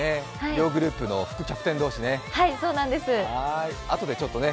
両グループの副キャプテン同士ね。